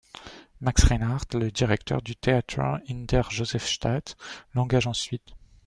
Max Reinhardt, le directeur du Theater in der Josefstadt, l'engage ensuite.